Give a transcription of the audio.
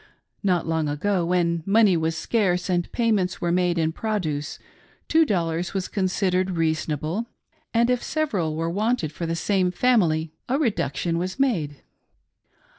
Not long ago, when money was scarce and payments were made in produce, two dollars was considered reasonable ; and if several were wanted for the same family, a reduction was made.